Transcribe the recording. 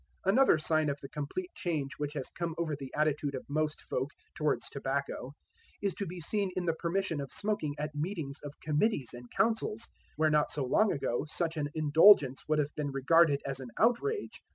Another sign of the complete change which has come over the attitude of most folk towards tobacco is to be seen in the permission of smoking at meetings of committees and councils, where not so long ago such an indulgence would have been regarded as an outrage.